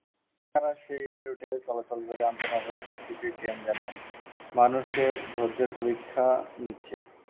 ঢাকা-রাজশাহী রুটে চলাচলকারী আন্তনগর silk city train যেন মানুষের ধৈর্যের পরীক্ষা নিচ্ছে।